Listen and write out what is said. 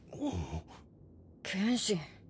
剣心。